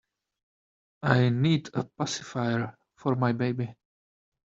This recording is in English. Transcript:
I need a pacifier for my baby.